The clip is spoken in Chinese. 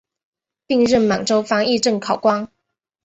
并任满洲翻译正考官。